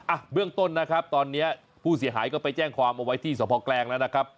อ่ะเบื้องต้นนะครับตอนนี้ผู้เสียหายก็ไปแจ้งความเอาไว้ที่สภแกลงแล้วนะครับ